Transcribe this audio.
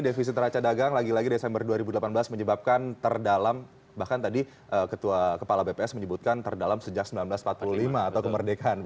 defisit neraca dagang lagi lagi desember dua ribu delapan belas menyebabkan terdalam bahkan tadi ketua kepala bps menyebutkan terdalam sejak seribu sembilan ratus empat puluh lima atau kemerdekaan